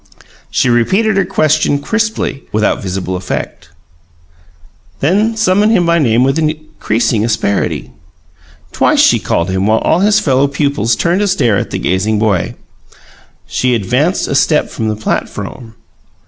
She repeated her question crisply, without visible effect; then summoned him by name with increasing asperity. Twice she called him, while all his fellow pupils turned to stare at the gazing boy. She advanced a step from the platform.